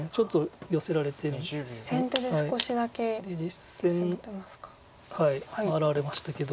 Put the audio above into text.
実戦回られましたけど。